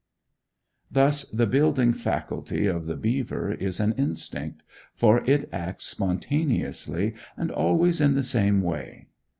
Thus the building faculty of the beaver is an instinct, for it acts spontaneously, and always in the same way.